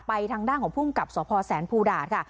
ไปทางด้านของภูมิกับสศภูดาศค่ะ